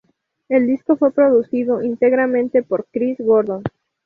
El disco fue producido íntegramente por Chris Gordon.